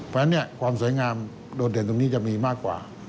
เพราะฉะนั้นความสวยงามโดดเด่นตรงนี้จะมีมากกว่า